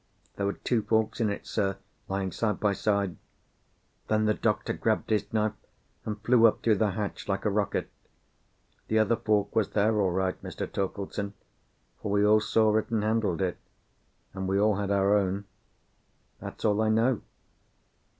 There were two forks in it, sir, lying side by side. Then the doctor grabbed his knife, and flew up through the hatch like a rocket. The other fork was there all right, Mr. Torkeldsen, for we all saw it and handled it; and we all had our own. That's all I know."